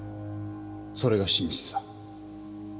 それが真実だ。